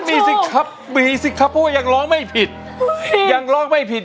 มีสิครับมีสิครับเพราะว่ายังร้องไม่ผิดยังร้องไม่ผิด